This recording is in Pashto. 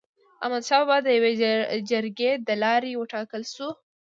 احمد شاه بابا د يوي جرګي د لاري و ټاکل سو.